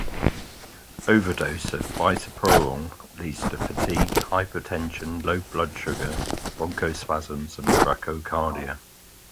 Overdose of bisoprolol leads to fatigue, hypotension, low blood sugar, bronchospasms, and bradycardia.